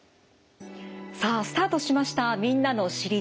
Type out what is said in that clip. さあスタートしました「みんなの『知りたい！』」。